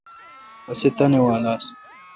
اسہ تانی وال آس۔